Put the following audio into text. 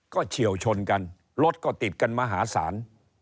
ก็เฉียวชนกันรถก็ติดกันมหาศาล